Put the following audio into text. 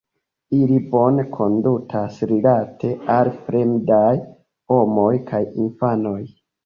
Ili bone kondutas rilate al fremdaj homoj kaj infanoj.